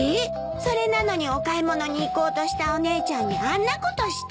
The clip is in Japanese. それなのにお買い物に行こうとしたお姉ちゃんにあんなことして。